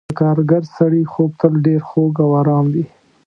د کارګر سړي خوب تل ډېر خوږ او آرام وي.